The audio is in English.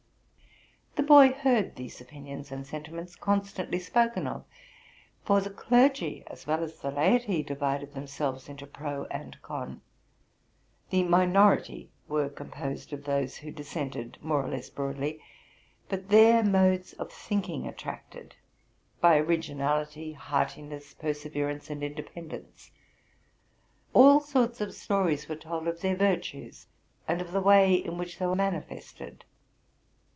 The boy heard these opinions and sentiments constantly spoken of, for the clergy as well as the laity divided them selves into pro and con. The minority were composed of those who dissented more or less broadly; but their modes of thinking attracted by originality, heartiness, perseveranes, and independence. All sorts of stories were told of their virtues, and of the way in which they were manifested.